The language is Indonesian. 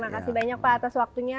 terima kasih banyak pak atas waktunya